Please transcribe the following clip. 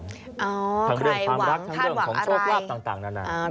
ทางเรื่องความรักทางเรื่องของโชคลาภต่างนานานาค่ะใครหวังท่านหวังอะไร